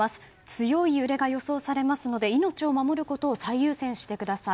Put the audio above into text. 強い揺れが予想されますので命を守ることを最優先してください。